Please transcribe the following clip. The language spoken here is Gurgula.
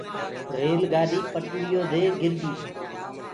ريل گآڏي پٽڙيو دي گِر گيٚ۔